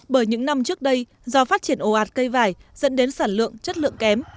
bởi những năm trước đây do phát triển ồ ạt cây vải dẫn đến sản lượng chất lượng kém